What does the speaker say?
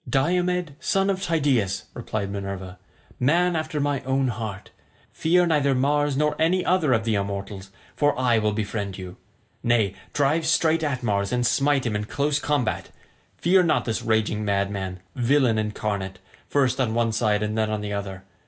"Diomed, son of Tydeus," replied Minerva, "man after my own heart, fear neither Mars nor any other of the immortals, for I will befriend you. Nay, drive straight at Mars, and smite him in close combat; fear not this raging madman, villain incarnate, first on one side and then on the other.